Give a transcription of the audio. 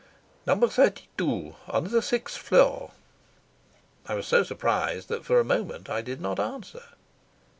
"Number thirty two. On the sixth floor." I was so surprised that for a moment I did not answer.